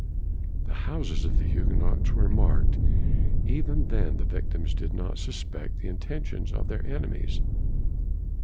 The houses of the Huguenots were marked. Even then the victims did not suspect the intentions of their enemies.